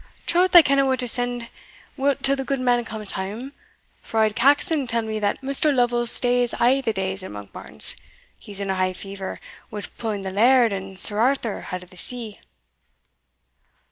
"Troth I kenna wha to send wi't till the gudeman comes hame, for auld Caxon tell'd me that Mr. Lovel stays a' the day at Monkbarns he's in a high fever, wi' pu'ing the laird and Sir Arthur out o' the sea."